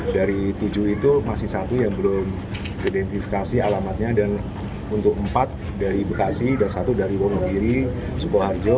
dari tujuh itu masih satu yang belum identifikasi alamatnya dan untuk empat dari bekasi dan satu dari wonogiri sukoharjo